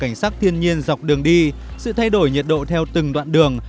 cảnh sắc thiên nhiên dọc đường đi sự thay đổi nhiệt độ theo từng đoạn đường